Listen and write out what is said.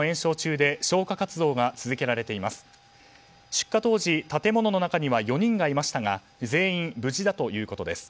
出火当時、建物の中には４人がいましたが全員、無事だということです。